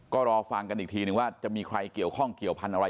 ก็รอฟังกันอีกทีนึงว่าจะมีใครเกี่ยวข้องเกี่ยวพันธุ์อะไร